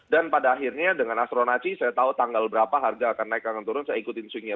dan pada akhirnya dengan astronaci saya tahu tanggal berapa harga akan naik akan turun saya ikutin swing nya